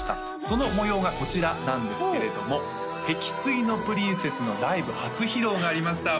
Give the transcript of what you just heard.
その模様がこちらなんですけれども「碧水のＰｒｉｎｃｅｓｓ」のライブ初披露がありました